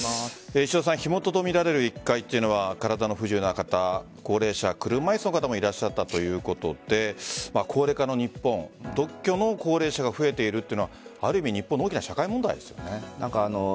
火元とみられる１階というのは体の不自由な方高齢者、車椅子の方もいらっしゃったということで高齢化の日本、独居の高齢者が増えているというのはある意味日本の大きな社会問題ですよね。